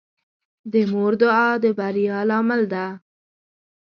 د مور دعا د بریا لامل ده.